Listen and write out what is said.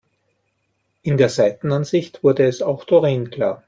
In der Seitenansicht wurde es auch Doreen klar.